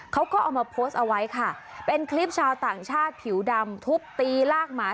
เขาก็เอามาโพสต์เอาไว้ค่ะเป็นคลิปชาวต่างชาติผิวดำทุบตีลากหมา